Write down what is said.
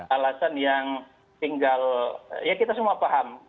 alasan yang tinggal ya kita semua paham